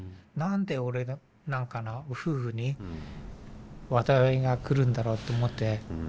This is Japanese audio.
何で俺なんかの夫婦に災いが来るんだろうと思って。